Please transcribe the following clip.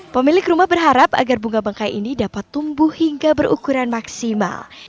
pemilik rumah berharap agar bunga bangkai ini dapat tumbuh hingga berukuran maksimal